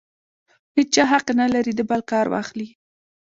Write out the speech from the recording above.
هېچا حق نه لري د بل کار واخلي.